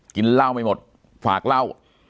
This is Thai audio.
กินเหล้าไม่หมดฝากเหล้า